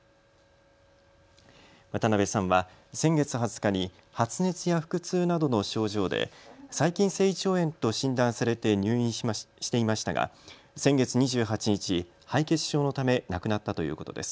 渡辺さんは先月２０日に発熱や腹痛などの症状で細菌性胃腸炎と診断されて入院していましたが先月２８日、敗血症のため亡くなったということです。